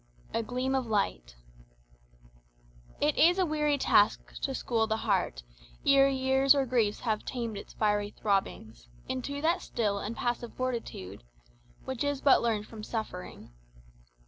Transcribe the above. A Gleam of Light "It is a weary task to school the heart, Ere years or griefs have tamed its fiery throbbings, Into that still and passive fortitude Which is but learned from suffering."